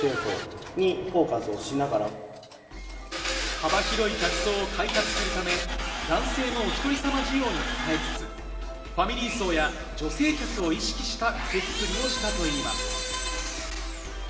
幅広い客層を開拓するため、男性のおひとりさま需要に応えつつ、ファミリー層や女性客を意識した店作りをしたといいます。